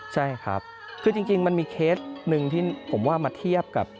ใช่ครับคือจริงมันมีเคสหนึ่งที่ผมว่ามาเทียบกับ